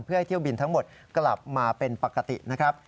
เพื่อให้เที่ยวบินทั้งหมดกลับมาเป็นปกตินะครับ